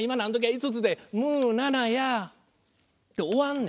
「５つでむうななやあ」。って終わんねん。